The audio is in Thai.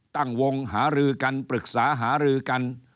ตั้งวงหารือกันปรึกษาหารือกัน